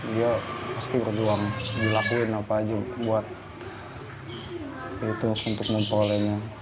dia pasti berjuang dilakuin apa aja buat youtube untuk memperolehnya